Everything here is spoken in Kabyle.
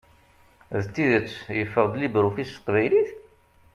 D tidet yeffeɣ-d LibreOffice s teqbaylit?